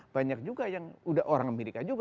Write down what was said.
banyak juga yang udah orang amerika juga